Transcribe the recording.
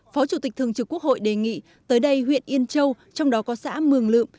phó chủ tịch thường trực quốc hội đề nghị tới đây huyện yên châu trong đó có xã mường lượm